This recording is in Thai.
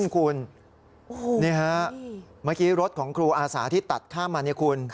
คุณนี่ครับเมื่อกี้รถของครูอาศาที่ตัดข้ามมา